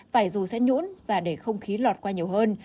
vải dù sẽ nhũ và để không khí lọt qua nhiều hơn